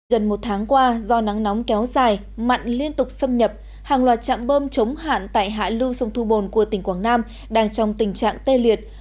gần một tháng qua do nắng nóng kéo dài mặn liên tục xâm nhập hàng loạt chạm bơm chống hạn tại hạ lưu sông thu bồn của tỉnh quảng nam đang trong tình trạng tê liệt